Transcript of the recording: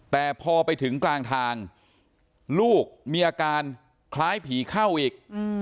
แต่พอไปถึงกลางทางลูกมีอาการคล้ายผีเข้าอีก